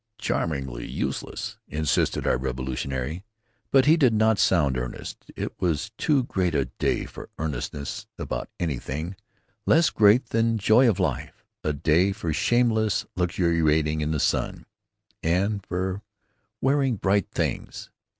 "Charmingly useless," insisted our revolutionary, but he did not sound earnest. It was too great a day for earnestness about anything less great than joy and life; a day for shameless luxuriating in the sun, and for wearing bright things.